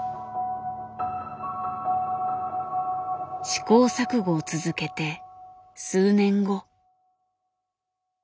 試行錯誤を続けて数年後。